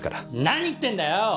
何言ってんだよ！